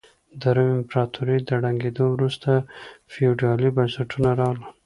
د روم امپراتورۍ تر ړنګېدو وروسته فیوډالي بنسټونه راغلل.